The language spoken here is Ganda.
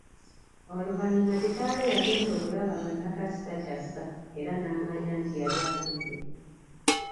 Oluvanyuma kitaawe yagenda okulaba nga Nakasi takyassa era naamanya nti yali afudde.